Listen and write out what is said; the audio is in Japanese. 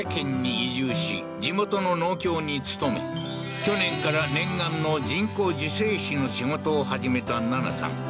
去年から念願の人工授精師の仕事を始めた南奈さん